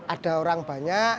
ada orang banyak